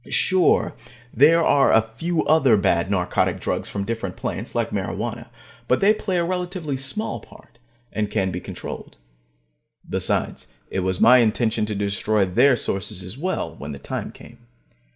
Sure, there are a few other bad narcotic drugs from different plants, like marijuana, but they play a relatively small part, and can be controlled. Besides, it was my intention to destroy their sources as well, when the time came.